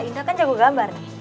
indah kan jago gambar